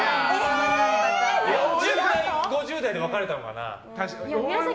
４０代５０代で分かれたのかな。